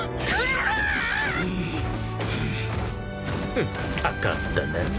フッかかったな。